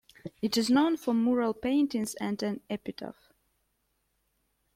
It is known for mural paintings and an epitaph.